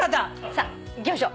さあいきましょう。